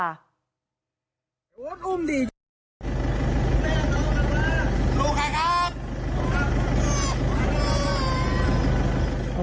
ลูกใครครับ